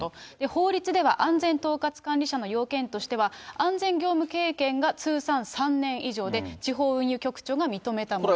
法律では安全統括管理者の要件としては、安全業務経験が通算３年以上で、これが社長ですね。